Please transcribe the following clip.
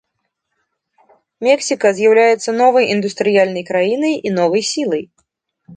Мексіка з'яўляецца новай індустрыяльнай краінай і новай сілай.